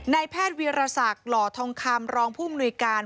นายแพทย์วีรศักดิ์หล่อทองคำรองผู้มนุยการ